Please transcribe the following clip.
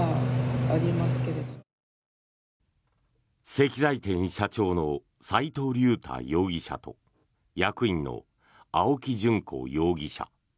石材店社長の齋藤竜太容疑者と役員の青木淳子容疑者。